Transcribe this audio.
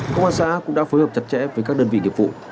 công an xã cũng đã phối hợp chặt chẽ với các đơn vị nghiệp vụ